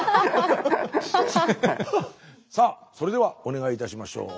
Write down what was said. さあそれではお願いいたしましょう。